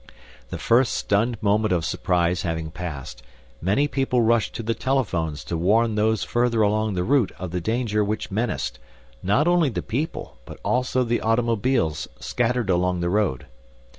The first stunned moment of surprise having passed, many people rushed to the telephones to warn those further along the route of the danger which menaced, not only the people, but also the automobiles scattered along the road.